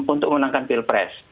untuk memenangkan pilpres